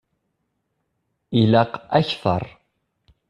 Ilaq akter.